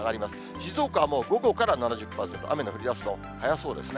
静岡はもう午後から７０％、雨の降りだすの早そうですね。